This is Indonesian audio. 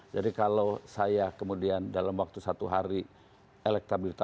jadi kalau saya kemudian dalam waktu satu hari elektabilitas